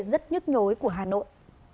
rất nhức nhối của hà nội